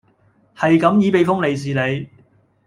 系噉意畀封利市你